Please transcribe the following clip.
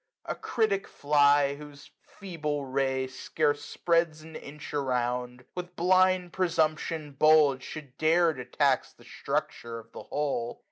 325 A critic fly, whose feeble ray scarce spreads An inch around, with blind presumption bold. Should dare to tax the structure of the whole.